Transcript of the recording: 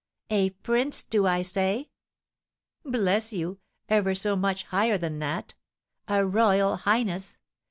A prince, do I say? Bless you, ever so much higher than that! A royal highness!